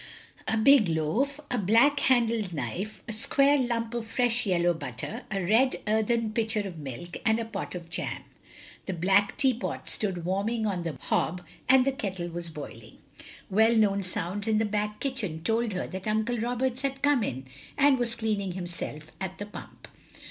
A big loaf, a black handled knife, a square Itunp of fresh yellow butter, a red earthen pitcher of milk, and a pot of jam. The black teapot stood warming on the hob, and the kettle was boiling. Well known sounds in the back kitchen told her that Uncle Roberts had come in, and was cleaning himself at the pump.